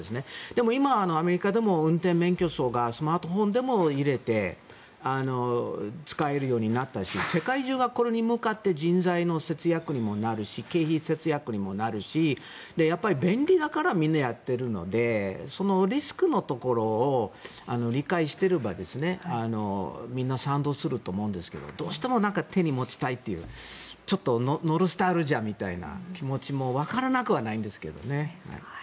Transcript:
でも、今アメリカでも運転免許証がスマートフォンでも入れて使えるようになったし世界中がこれに向かって人材の節約にもなるし経費節約にもなるしやっぱり便利だからみんなやっているのでそのリスクのところを理解していればみんな賛同すると思うんですがどうしても手に持ちたいというちょっとノスタルジーみたいな気持ちもわからなくもないんですけどね。